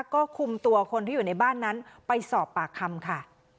ก็คุมตัวคนที่อยู่ในบ้านนั้นไปสอบปากคำค่ะ